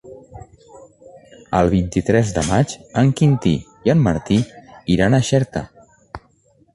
El vint-i-tres de maig en Quintí i en Martí iran a Xerta.